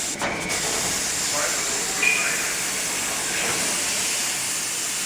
Zwei Personen besteigen eine transportable Kletterwand.